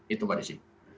itu mbak desi